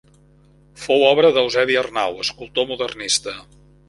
Fou obra d'Eusebi Arnau, escultor modernista.